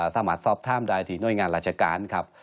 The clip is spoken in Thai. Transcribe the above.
สามารถสอบท่ามได้ที่หน้วยงานราชการ